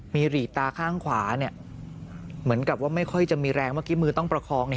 มีหลีดตาข้างขวาเหมือนกับว่าไม่ค่อยจะมีแรงเมื่อกี้มือต้องประคอง